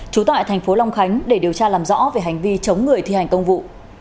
trú tại tp long khánh để điều tra làm rõ về hành vi chống người thi hành công vụ